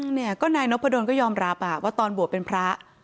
เนี่ยก็นายนพดลก็ยอมรับว่าตอนบวชเป็นพระ